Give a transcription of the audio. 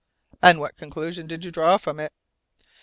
"And what conclusion did you draw from it?"